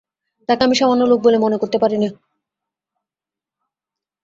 তাকে আমি সামান্য লোক বলে মনে করতে পারি নে।